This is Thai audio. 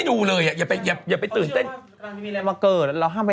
ไม่รู้ฉันดึงจะไปนั่งดูอะไรตกทำไม